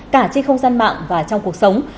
cả trên không gian mạng và trong cuộc sống